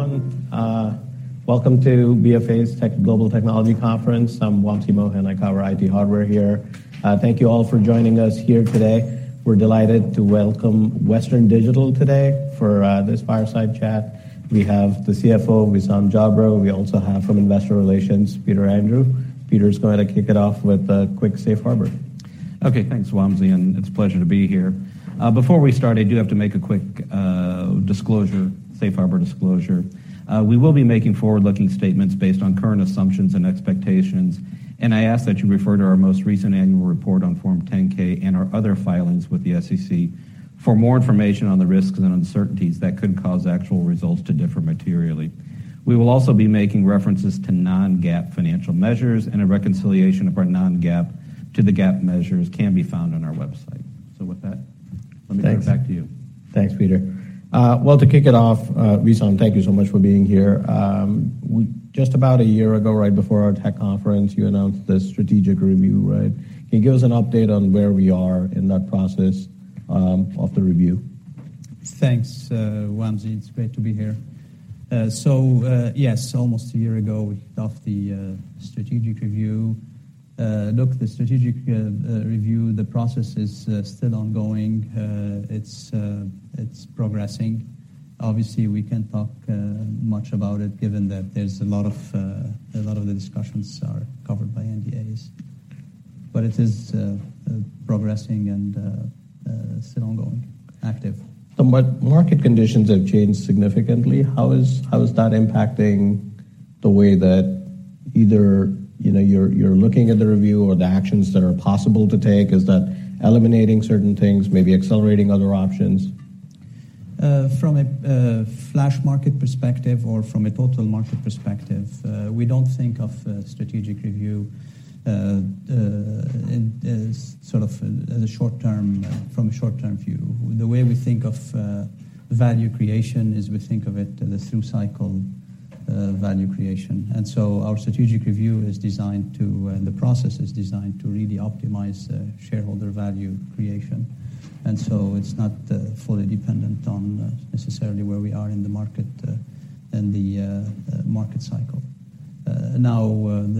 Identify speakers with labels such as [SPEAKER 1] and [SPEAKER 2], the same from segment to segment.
[SPEAKER 1] Hey, everyone, welcome to Bank of America's Tech- Global Technology Conference. I'm Wamsi Mohan. I cover IT hardware here. Thank you all for joining us here today. We're delighted to welcome Western Digital today. For this fireside chat, we have the CFO, Wissam Jabre. We also have from Investor Relations, Peter Andrew. Peter is going to kick it off with a quick safe harbor.
[SPEAKER 2] Okay, thanks, Wamsi, and it's a pleasure to be here. Before we start, I do have to make a quick disclosure, safe harbor disclosure. We will be making forward-looking statements based on current assumptions and expectations, and I ask that you refer to our most recent annual report on Form 10-K and our other filings with the SEC for more information on the risks and uncertainties that could cause actual results to differ materially. We will also be making references to non-GAAP financial measures, and a reconciliation of our non-GAAP to the GAAP measures can be found on our website. With that.
[SPEAKER 1] Thanks.
[SPEAKER 2] Let me turn it back to you.
[SPEAKER 1] Thanks, Peter. Well, to kick it off, Wissam, thank you so much for being here. Just about one year ago, right before our tech conference, you announced the strategic review, right? Can you give us an update on where we are in that process of the review?
[SPEAKER 3] Thanks, Wamsi. It's great to be here. Yes, almost a year ago, we kicked off the strategic review. Look, the strategic review, the process is still ongoing. It's progressing. Obviously, we can't talk much about it, given that there's a lot of the discussions are covered by NDAs, but it is progressing and still ongoing, active.
[SPEAKER 1] Market conditions have changed significantly. How is that impacting the way that either, you know, you're looking at the review or the actions that are possible to take? Is that eliminating certain things, maybe accelerating other options?
[SPEAKER 3] From a flash market perspective or from a total market perspective, we don't think of a strategic review in, as sort of, as a short-term view. The way we think of value creation is we think of it as through cycle value creation. Our strategic review is designed to, and the process is designed to really optimize shareholder value creation. It's not fully dependent on necessarily where we are in the market in the market cycle. Now,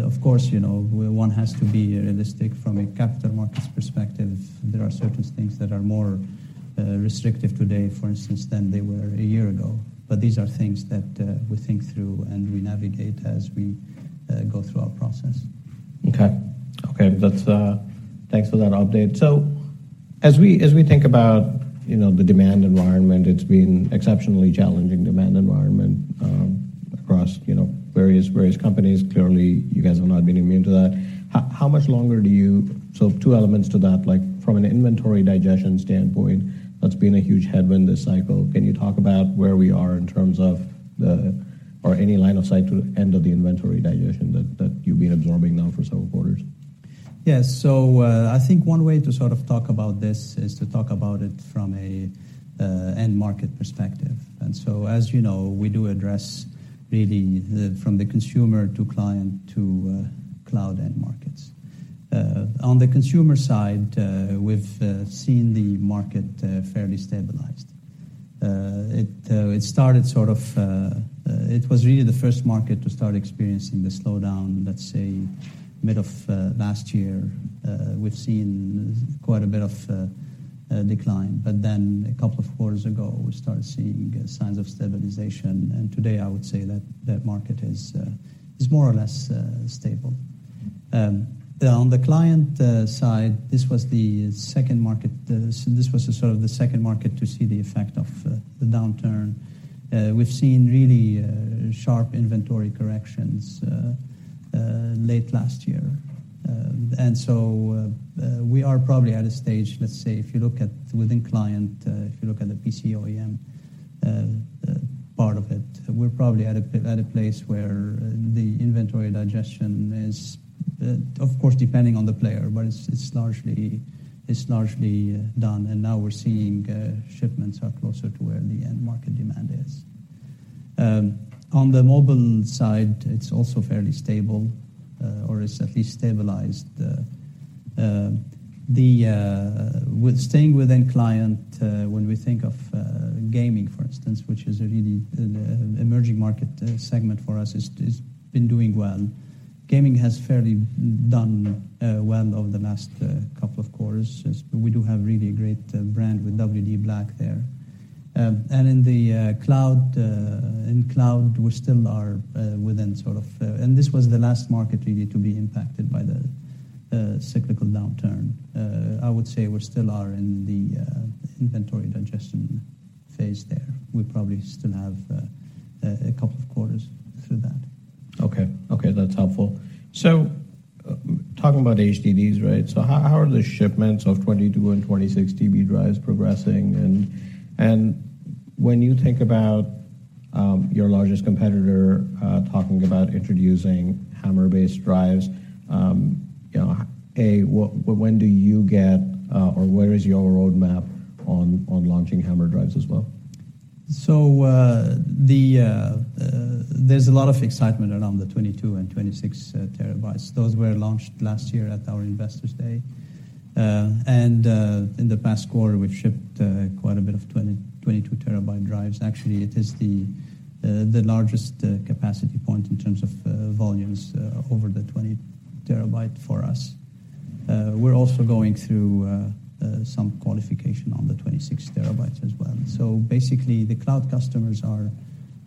[SPEAKER 3] of course, you know, one has to be realistic from a capital markets perspective. There are certain things that are more restrictive today, for instance, than they were a year ago. These are things that we think through, and we navigate as we go through our process.
[SPEAKER 1] Okay. Okay, that's. Thanks for that update. As we, as we think about, you know, the demand environment, it's been exceptionally challenging demand environment across, you know, various companies. Clearly, you guys have not been immune to that. Two elements to that, like, from an inventory digestion standpoint, that's been a huge headwind this cycle. Can you talk about where we are in terms of or any line of sight to the end of the inventory digestion that you've been absorbing now for several quarters?
[SPEAKER 3] Yes, I think one way to sort of talk about this is to talk about it from a, end market perspective. As you know, we do address really the, from the consumer to client to, cloud end markets. On the consumer side, we've, seen the market, fairly stabilized. It started sort of, it was really the first market to start experiencing the slowdown, let's say, mid of, last year. We've seen quite a bit of, decline. A couple of quarters ago, we started seeing signs of stabilization. Today I would say that that market is more or less, stable. On the client side, this was the second market, this was sort of the second market to see the effect of the downturn. We've seen really sharp inventory corrections late last year. We are probably at a stage, let's say, if you look at within client, if you look at the PC OEM part of it, we're probably at a place where the inventory digestion is, of course, depending on the player, but it's largely done, and now we're seeing shipments are closer to where the end market demand is. On the mobile side, it's also fairly stable, or it's at least stabilized. With staying within client, when we think of gaming, for instance, which is a really emerging market segment for us, it's been doing well. Gaming has fairly done well over the last couple of quarters. We do have really a great brand with WD_BLACK there. In the cloud, in cloud, we still are within sort of. This was the last market really to be impacted by the cyclical downturn. I would say we still are in the inventory digestion phase there. We probably still have a couple of quarters through that.
[SPEAKER 1] Okay, that's helpful. Talking about HDDs, right? How are the shipments of 22 and 26 TB drives progressing? When you think about your largest competitor talking about introducing HAMR-based drives, you know, A, when do you get or where is your roadmap on launching HAMR drives as well?
[SPEAKER 3] There's a lot of excitement around the 22 and 26 TB. Those were launched last year at our Investors Day. In the past quarter, we've shipped quite a bit of 20, 22 TB drives. Actually, it is the largest capacity point in terms of volumes over the 20 TB for us. We're also going through some qualification on the 26 TB as well. Basically, the cloud customers are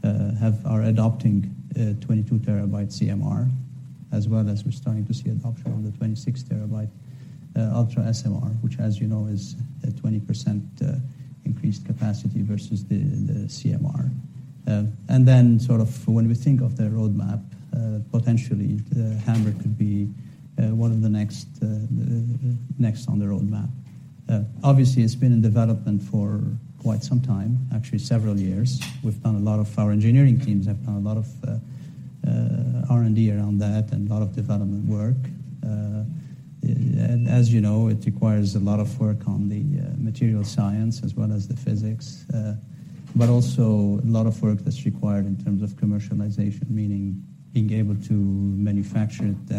[SPEAKER 3] adopting 22 TB CMR, as well as we're starting to see adoption on the 26 TB UltraSMR, which as you know, is a 20% increased capacity versus the CMR. we think of the roadmap, potentially, the HAMR could be one of the next on the roadmap. Obviously, it's been in development for quite some time, actually several years. Our engineering teams have done a lot of R&D around that and a lot of development work. As you know, it requires a lot of work on the material science as well as the physics, but also a lot of work that's required in terms of commercialization, meaning being able to manufacture it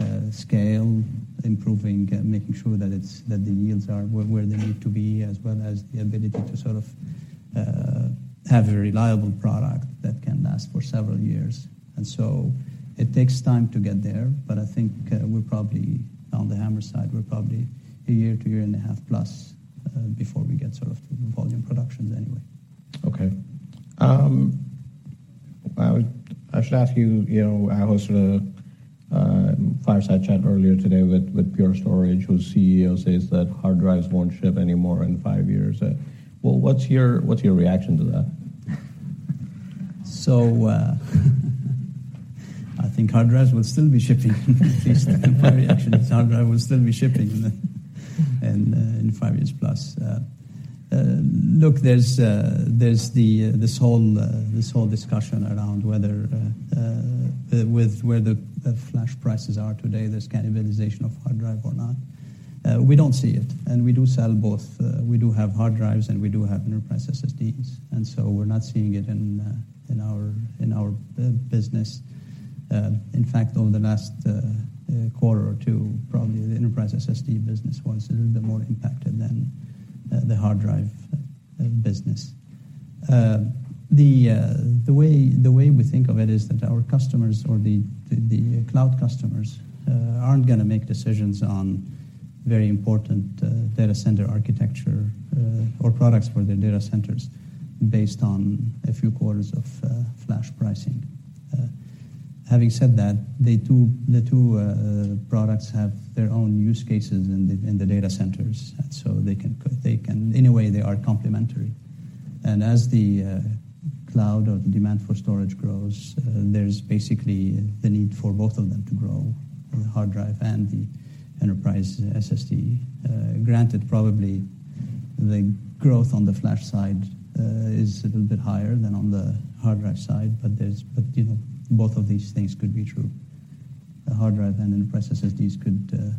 [SPEAKER 3] at scale, improving and making sure that the yields are where they need to be, as well as the ability to sort of have a reliable product that can last for several years. It takes time to get there, but I think, we're probably, on the HAMR side, we're probably a year to a year and a half plus, before we get sort of to the volume productions anyway.
[SPEAKER 1] Okay. I should ask you know, I had sort of a fireside chat earlier today with Pure Storage, whose CEO says that hard drives won't ship anymore in five years. Well, what's your reaction to that?
[SPEAKER 3] I think hard drives will still be shipping. Actually, hard drives will still be shipping in five years plus. Look, there's the this whole discussion around whether with where the flash prices are today, there's cannibalization of hard drive or not. We don't see it, and we do sell both. We do have hard drives, and we do have enterprise SSDs, so we're not seeing it in our business. In fact, over the last quarter or two, probably the enterprise SSD business was a little bit more impacted than the hard drive business. The way we think of it is that our customers or the cloud customers aren't going to make decisions on very important data center architecture or products for their data centers based on a few quarters of flash pricing. Having said that, the two products have their own use cases in the data centers, and so they can In a way, they are complementary. As the cloud or the demand for storage grows, there's basically the need for both of them to grow, the hard drive and the enterprise SSD. Granted, probably the growth on the flash side is a little bit higher than on the hard drive side, but, you know, both of these things could be true. The hard drive and enterprise SSDs could,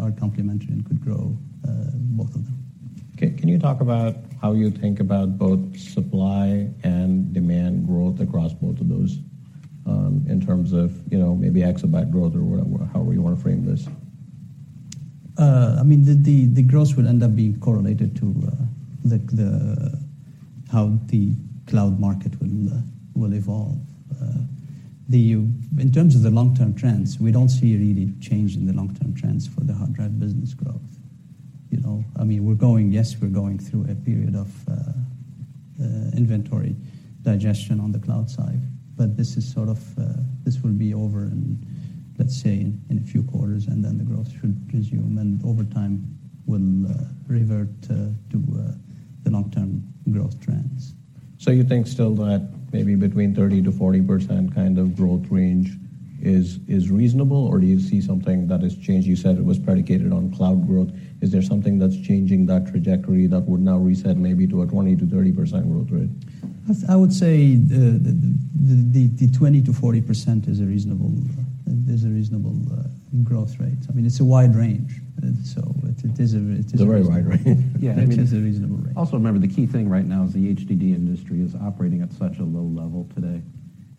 [SPEAKER 3] are complementary and could grow, both of them.
[SPEAKER 1] Okay. Can you talk about how you think about both supply and demand growth across both of those, in terms of, you know, maybe exabyte growth or however you want to frame this?
[SPEAKER 3] I mean, the growth will end up being correlated to how the cloud market will evolve. In terms of the long-term trends, we don't see a really change in the long-term trends for the hard drive business growth. You know, I mean, Yes, we're going through a period of inventory digestion on the cloud side, but this is sort of. This will be over in, let's say, in a few quarters, and then the growth should resume, and over time, we'll revert to the long-term growth trends.
[SPEAKER 1] You think still that maybe between 30%-40% kind of growth range is reasonable, or do you see something that has changed? You said it was predicated on cloud growth. Is there something that's changing that trajectory that would now reset maybe to a 20%-30% growth rate?
[SPEAKER 3] I would say the 20%-40% is a reasonable growth rate. I mean, it's a wide range, it is a.
[SPEAKER 1] It's a very wide range.
[SPEAKER 3] Yeah, I mean, it's a reasonable range.
[SPEAKER 2] Remember, the key thing right now is the HDD industry is operating at such a low level today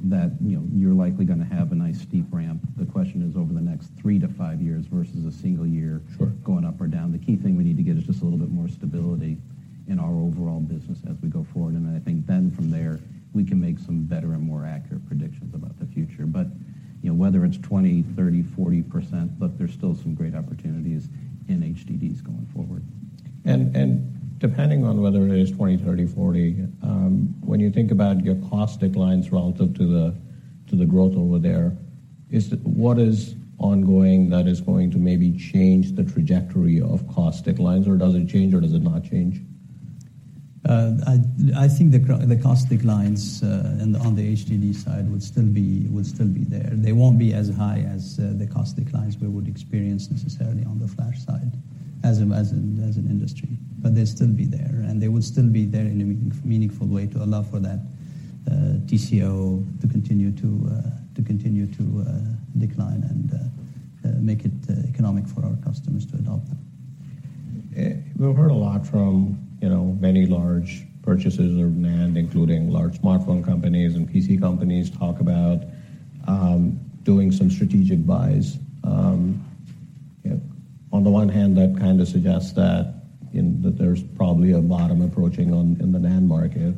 [SPEAKER 2] that, you know, you're likely going to have a nice, steep ramp. The question is over the next three-five years versus a one year.
[SPEAKER 1] Sure
[SPEAKER 2] -going up or down. The key thing we need to get is just a little bit more stability in our overall business as we go forward. I think then from there, we can make some better and more accurate predictions about the future. You know, whether it's 20%, 30%, 40%, but there's still some great opportunities in HDDs going forward.
[SPEAKER 1] Depending on whether it is 20, 30, 40, when you think about your cost declines relative to the growth over there, what is ongoing that is going to maybe change the trajectory of cost declines? Or does it change, or does it not change?
[SPEAKER 3] I think the cost declines, and on the HDD side would still be there. They won't be as high as the cost declines we would experience necessarily on the flash side as a, as an industry, but they'd still be there, and they would still be there in a meaningful way to allow for that TCO to continue to decline and make it economic for our customers to adopt them....
[SPEAKER 1] we've heard a lot from, you know, many large purchasers of NAND, including large smartphone companies and PC companies, talk about doing some strategic buys. On the one hand, that kind of suggests that there's probably a bottom approaching in the NAND market.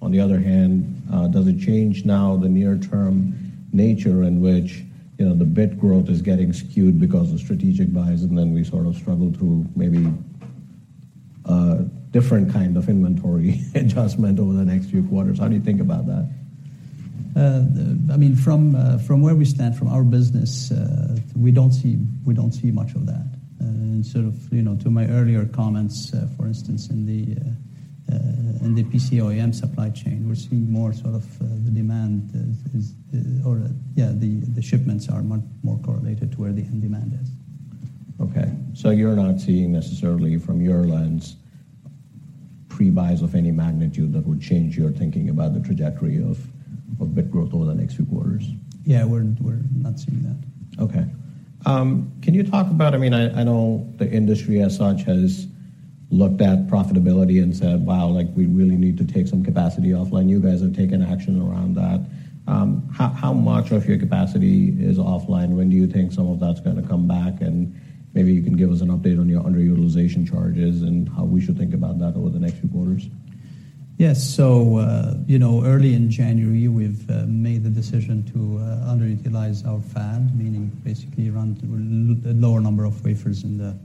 [SPEAKER 1] On the other hand, does it change now the near-term nature in which, you know, the bit growth is getting skewed because of strategic buys, and then we sort of struggle through maybe different kind of inventory adjustment over the next few quarters? How do you think about that?
[SPEAKER 3] I mean, from where we stand, from our business, we don't see much of that. Sort of, you know, to my earlier comments, for instance, in the, in the PC OEM supply chain, we're seeing more sort of, the demand is. Yeah, the shipments are much more correlated to where the end demand is.
[SPEAKER 1] Okay, you're not seeing necessarily from your lens, pre-buys of any magnitude that would change your thinking about the trajectory of bit growth over the next few quarters?
[SPEAKER 3] Yeah, we're not seeing that.
[SPEAKER 1] Okay. I mean, I know the industry as such has looked at profitability and said, "Wow, like, we really need to take some capacity offline." You guys have taken action around that. How much of your capacity is offline? When do you think some of that's gonna come back? Maybe you can give us an update on your underutilization charges, and how we should think about that over the next few quarters.
[SPEAKER 3] Yes. You know, early in January, we've made the decision to underutilize our fab, meaning basically run a lower number of wafers in the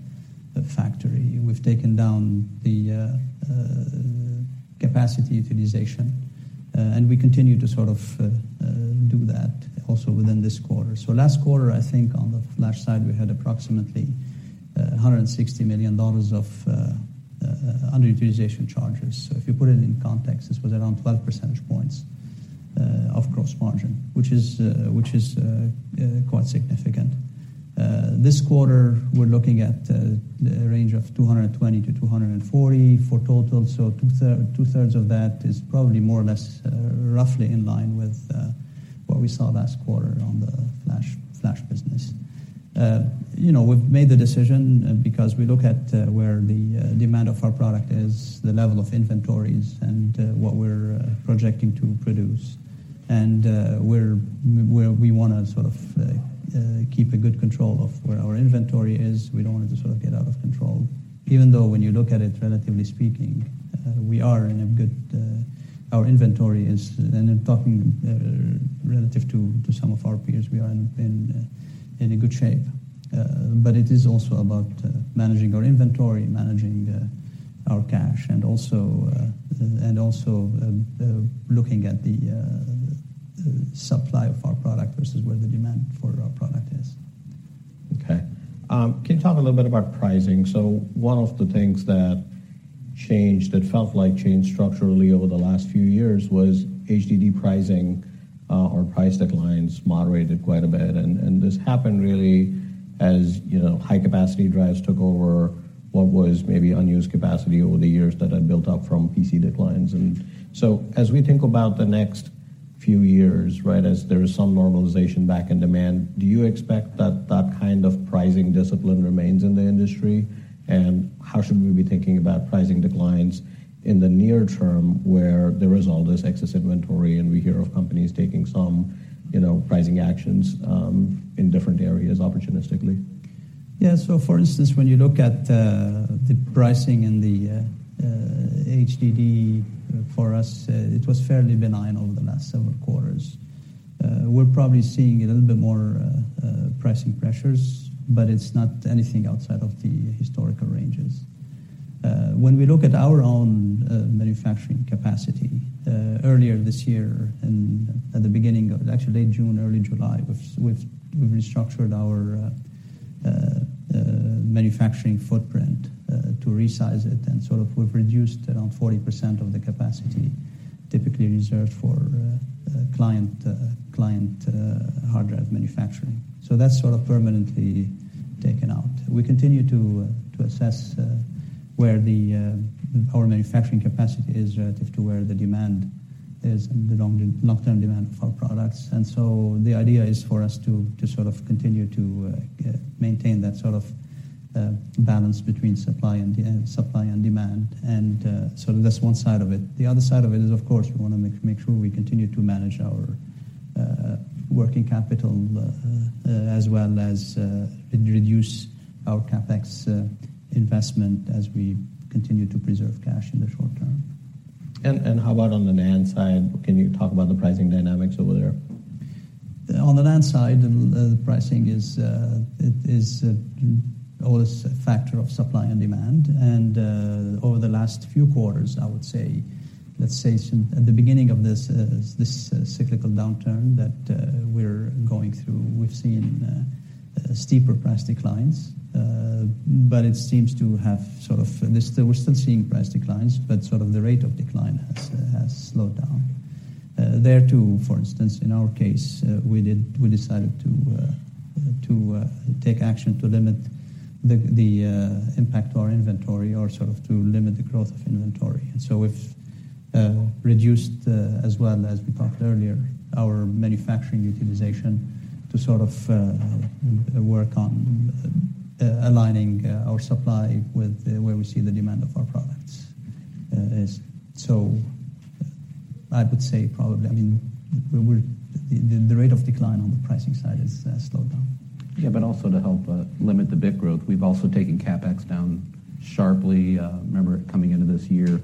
[SPEAKER 3] factory. We've taken down the capacity utilization, and we continue to sort of do that also within this quarter. Last quarter, I think on the flash side, we had approximately $160 million of underutilization charges. If you put it in context, this was around 12 percentage points of gross margin, which is quite significant. This quarter, we're looking at a range of $220 million-$240 million for total, so two-thirds of that is probably more or less roughly in line with what we saw last quarter on the flash business. you know, we've made the decision because we look at where the demand of our product is, the level of inventories, and what we're projecting to produce. Where we wanna sort of keep a good control of where our inventory is, we don't want it to sort of get out of control. Even though when you look at it, relatively speaking, we are in a good. Our inventory is, and I'm talking relative to some of our peers, we are in a good shape. It is also about managing our inventory, managing our cash, and also, looking at the supply of our product versus where the demand for our product is.
[SPEAKER 1] Okay. Can you talk a little bit about pricing? One of the things that changed, that felt like changed structurally over the last few years, was HDD pricing, or price declines moderated quite a bit. This happened really, as, you know, high-capacity drives took over what was maybe unused capacity over the years that had built up from PC declines.
[SPEAKER 3] Mm.
[SPEAKER 1] As we think about the next few years, right, as there is some normalization back in demand, do you expect that that kind of pricing discipline remains in the industry? How should we be thinking about pricing declines in the near term, where there is all this excess inventory, and we hear of companies taking some, you know, pricing actions, in different areas opportunistically?
[SPEAKER 3] For instance, when you look at the pricing in the HDD for us, it was fairly benign over the last several quarters. We're probably seeing a little bit more pricing pressures, it's not anything outside of the historical ranges. When we look at our own manufacturing capacity, earlier this year and actually late June, early July, we've restructured our manufacturing footprint to resize it, and sort of we've reduced around 40% of the capacity typically reserved for client hard drive manufacturing. That's sort of permanently taken out. We continue to assess where our manufacturing capacity is relative to where the demand is and the long-term demand for our products. The idea is for us to sort of continue to maintain that sort of balance between supply and supply and demand, and so that's one side of it. The other side of it is, of course, we wanna make sure we continue to manage our working capital as well as reduce our CapEx investment as we continue to preserve cash in the short term.
[SPEAKER 1] How about on the NAND side? Can you talk about the pricing dynamics over there?
[SPEAKER 3] On the NAND side, the pricing is always a factor of supply and demand. Over the last few quarters, I would say, let's say at the beginning of this cyclical downturn that we're going through, we've seen steeper price declines. But it seems to have We're still seeing price declines, but sort of the rate of decline has slowed down. There too, for instance, in our case, we decided to take action to limit the impact to our inventory or sort of to limit the growth of inventory. Reduced, as well as we talked earlier, our manufacturing utilization to sort of work on aligning our supply with where we see the demand of our products. I would say probably, I mean, we're the rate of decline on the pricing side has slowed down.
[SPEAKER 2] But also to help limit the bit growth, we've also taken CapEx down sharply. Remember, coming into this year,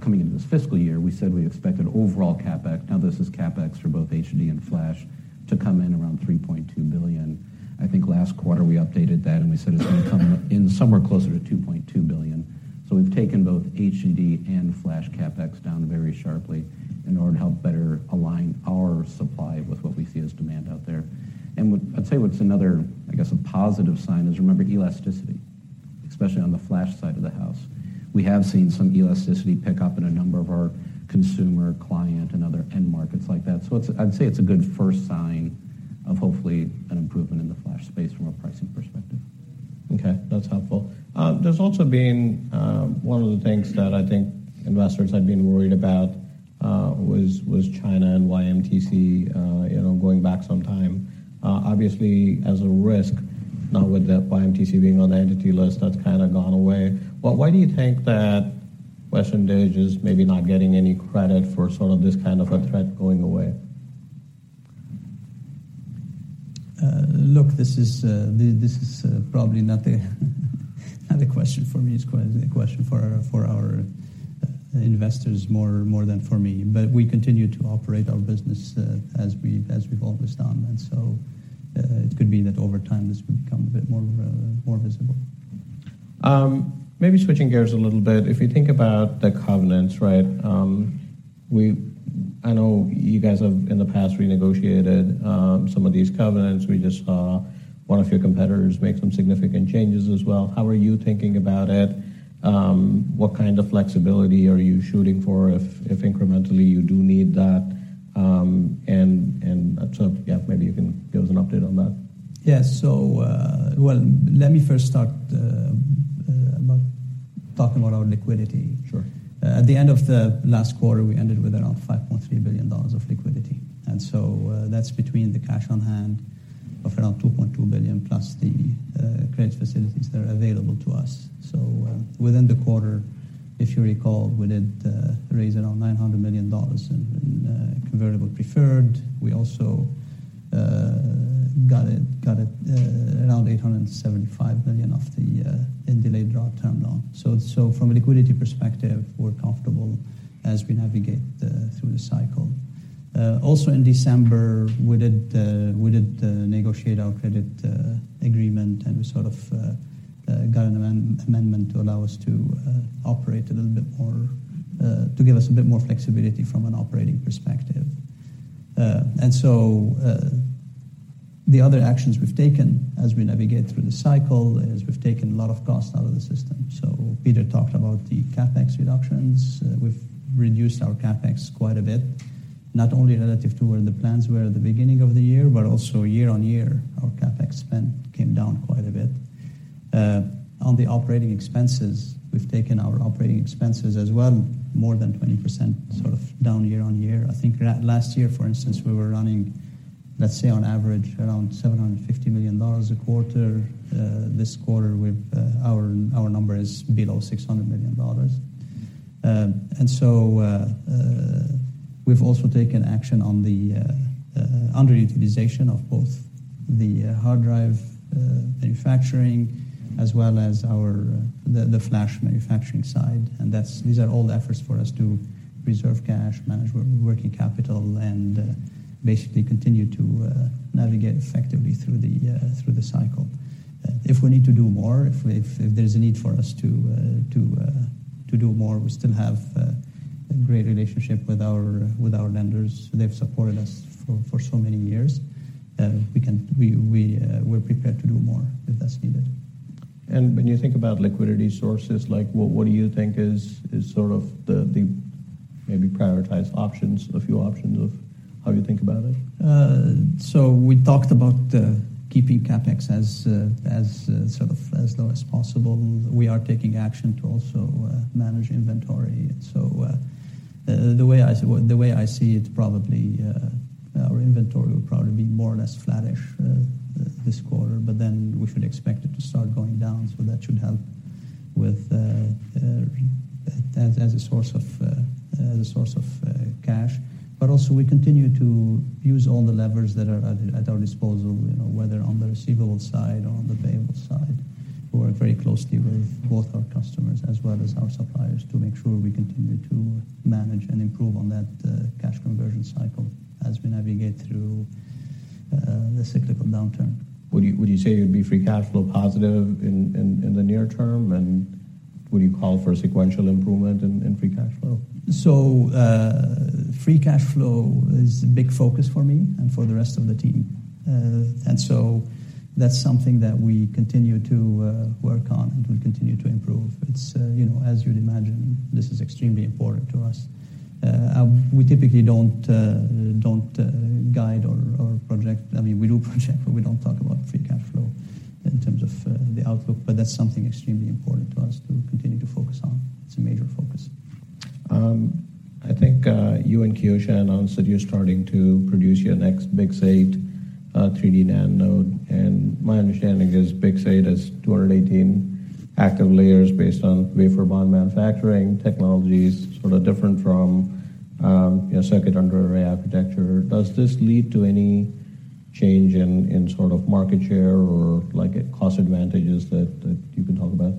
[SPEAKER 2] coming into this fiscal year, we said we expected overall CapEx, now this is CapEx for both HDD and flash, to come in around $3.2 billion. I think last quarter we updated that, we said it's gonna come in somewhere closer to $2.2 billion. We've taken both HDD and flash CapEx down very sharply in order to help better align our supply with what we see as demand out there. I'd say what's another, I guess, a positive sign is, remember elasticity, especially on the flash side of the house. We have seen some elasticity pick up in a number of our consumer, client, and other end markets like that. I'd say it's a good first sign of hopefully an improvement in the flash space from a pricing perspective.
[SPEAKER 1] Okay, that's helpful. There's also been One of the things that I think investors have been worried about was China and YMTC, you know, going back some time. Obviously, as a risk, now with the YMTC being on the Entity List, that's kind of gone away. Why do you think that Western Digital is maybe not getting any credit for sort of this kind of a threat going away?
[SPEAKER 3] Look, this is probably not a question for me. It's quite a question for our investors, more than for me. We continue to operate our business as we've always done. It could be that over time, this will become a bit more visible.
[SPEAKER 1] Maybe switching gears a little bit. If you think about the covenants, right? I know you guys have, in the past, renegotiated some of these covenants. We just saw one of your competitors make some significant changes as well. How are you thinking about it? What kind of flexibility are you shooting for, if incrementally you do need that? So yeah, maybe you can give us an update on that.
[SPEAKER 3] Yes. Well, let me first start about talking about our liquidity.
[SPEAKER 1] Sure.
[SPEAKER 3] last quarter, we ended with around $5.3 billion of liquidity. That's between the cash on hand of around $2.2 billion, plus the credit facilities that are available to us. Within the quarter, if you recall, we did raise around $900 million in convertible preferred. We also got around $875 million of the in delayed draw term loan. From a liquidity perspective, we're comfortable as we navigate through the cycle. Also in December, we did negotiate our credit agreement, and we sort of got an amendment to allow us to operate a little bit more, to give us a bit more flexibility from an operating perspective. The other actions we've taken as we navigate through the cycle is we've taken a lot of cost out of the system. Peter talked about the CapEx reductions. We've reduced our CapEx quite a bit, not only relative to where the plans were at the beginning of the year, but also year-on-year, our CapEx spend came down quite a bit. On the operating expenses, we've taken our operating expenses as well, more than 20%, sort of down year-on-year. I think last year, for instance, we were running, let's say, on average, around $750 million a quarter. This quarter, with our number is below $600 million. We've also taken action on the underutilization of both the hard drive manufacturing, as well as our flash manufacturing side. These are all efforts for us to preserve cash, manage working capital, and basically continue to navigate effectively through the cycle. If we need to do more, if there's a need for us to do more, we still have a great relationship with our lenders. They've supported us for so many years, we're prepared to do more if that's needed.
[SPEAKER 1] When you think about liquidity sources, like, what do you think is sort of the maybe prioritized options, a few options of how you think about it?
[SPEAKER 3] We talked about keeping CapEx as sort of as low as possible. We are taking action to also manage inventory. The way I see it, probably our inventory will probably be more or less flattish this quarter. We should expect it to start going down. That should help with as a source of cash. We continue to use all the levers that are at our disposal, you know, whether on the receivables side or on the payables side. We work very closely with both our customers as well as our suppliers, to make sure we continue to manage and improve on that cash conversion cycle as we navigate through the cyclical downturn.
[SPEAKER 1] Would you say you'd be free cash flow positive in the near term? Would you call for a sequential improvement in free cash flow?
[SPEAKER 3] Free cash flow is a big focus for me and for the rest of the team. That's something that we continue to work on, and we continue to improve. It's, you know, as you'd imagine, this is extremely important to us. We typically don't guide or project. I mean, we do project, but we don't talk about free cash flow in terms of the outlook, but that's something extremely important to us to continue to focus on. It's a major focus.
[SPEAKER 1] I think, you and Kioxia announced that you're starting to produce your next BiCS8, 3D NAND node, and my understanding is BiCS8 has 218 active layers based on wafer bonding manufacturing technologies, sort of different from, you know, Circuit Under Array architecture. Does this lead to any change in sort of market share or, like, cost advantages that you can talk about?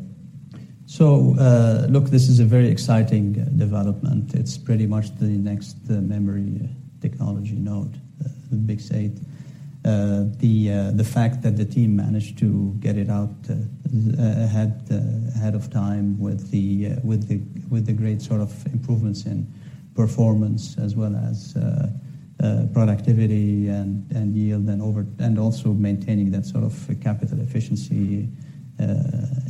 [SPEAKER 3] Look, this is a very exciting development. It's pretty much the next memory technology node, the BiCS8. The fact that the team managed to get it out ahead of time with the with the with the great sort of improvements in performance as well as productivity and yield and also maintaining that sort of capital efficiency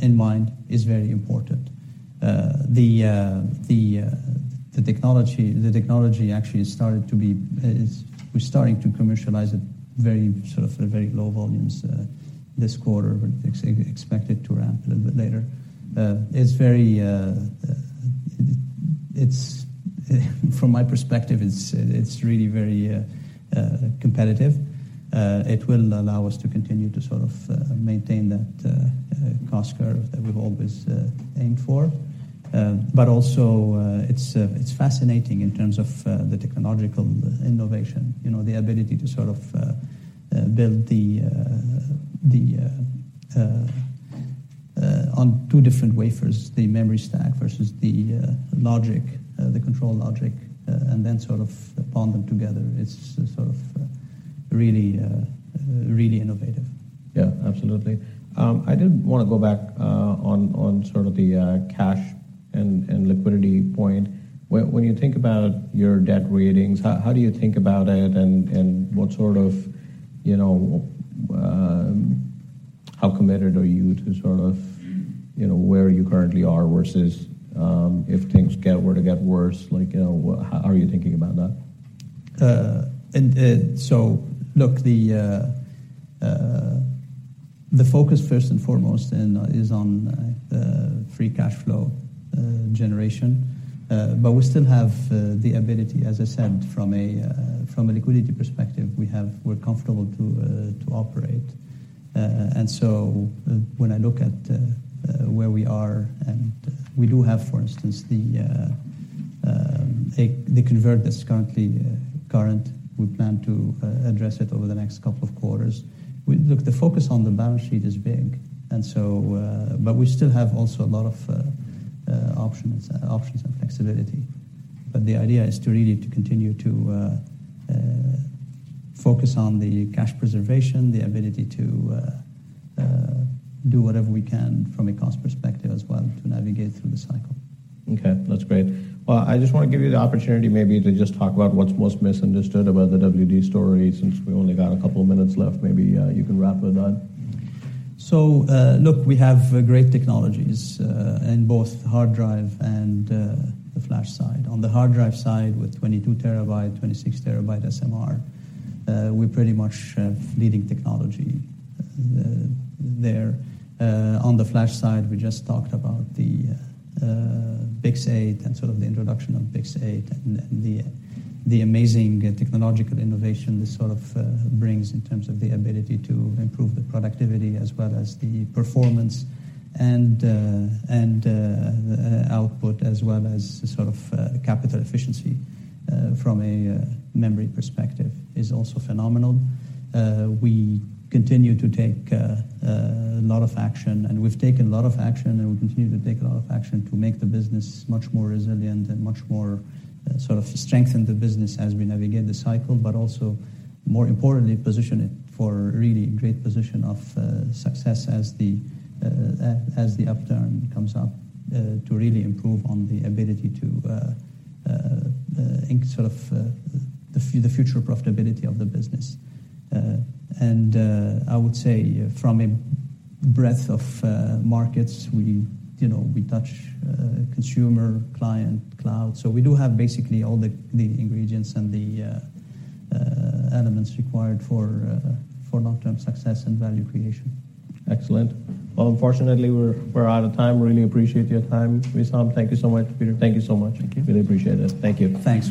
[SPEAKER 3] in mind, is very important. The technology actually started to be we're starting to commercialize it very sort of at very low volumes this quarter, but expect it to ramp a little bit later. It's very. It's, from my perspective, it's really very competitive. It will allow us to continue to sort of maintain that cost curve that we've always aimed for. Also, it's fascinating in terms of the technological innovation, you know, the ability to sort of build the on two different wafers, the memory stack versus the logic, the control logic, and then sort of bond them together. It's sort of really innovative.
[SPEAKER 1] Absolutely. I did want to go back on sort of the cash and liquidity point. When you think about your debt ratings, how do you think about it and what sort of, you know, how committed are you to sort of, you know, where you currently are [worsest], if things get were to get worse, like, you know, how are you thinking about that?
[SPEAKER 3] Look, the focus first and foremost is on free cash flow generation. We still have the ability, as I said, from a liquidity perspective, we're comfortable to operate. When I look at where we are and we do have, for instance, the convert that's currently current, we plan to address it over the next couple of quarters. Look, the focus on the balance sheet is big. We still have also a lot of options and flexibility. The idea is to really continue to focus on the cash preservation, the ability to do whatever we can from a cost perspective as well, to navigate through the cycle.
[SPEAKER 1] Okay, that's great. Well, I just want to give you the opportunity maybe to just talk about what's most misunderstood about the WD story. Since we only got a couple of minutes left, maybe you can wrap with that.
[SPEAKER 3] Look, we have great technologies in both the hard drive and the flash side. On the hard drive side, with 22 TB, 26 TB SMR, we pretty much have leading technology there. On the flash side, we just talked about the BiCS8 and sort of the introduction of BiCS8 and the amazing technological innovation this sort of brings in terms of the ability to improve the productivity as well as the performance and and output as well as the sort of capital efficiency from a memory perspective, is also phenomenal. We continue to take a lot of action, and we've taken a lot of action, and we continue to take a lot of action to make the business much more resilient and much more sort of strengthen the business as we navigate the cycle, but also, more importantly, position it for really great position of success as the as the upturn comes up to really improve on the ability to ink sort of the future profitability of the business. I would say from a breadth of markets, we, you know, we touch consumer, client, cloud. We do have basically all the ingredients and the elements required for long-term success and value creation.
[SPEAKER 1] Excellent. Unfortunately, we're out of time. Really appreciate your time, Wissam. Thank you so much, Peter. Thank you so much.
[SPEAKER 2] Thank you.
[SPEAKER 1] Really appreciate it. Thank you.
[SPEAKER 3] Thanks.